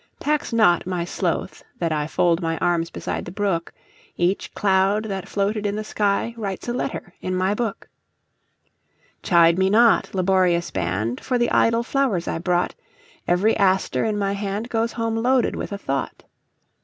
Tax not my sloth that IFold my arms beside the brook; Each cloud that floated in the skyWrites a letter in my book. Chide me not, laborious band, For the idle flowers I brought; Every aster in my handGoes home loaded with a thought.